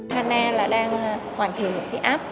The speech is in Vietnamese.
hana đang hoàn thiện một app